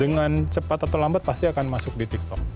dengan cepat atau lambat pasti akan masuk di tiktok